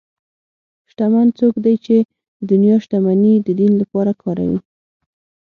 شتمن څوک دی چې د دنیا شتمني د دین لپاره کاروي.